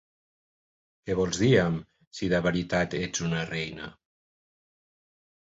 Què vols dir amb "si de veritat ets una reina?"